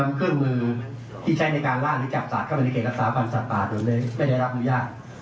เครื่องมือที่ใช้ในการล่างหรือจับสัตว์เข้าไปในเขตรักษาพันธ์สัตว์ป่าโดยไม่ได้รับอนุญาต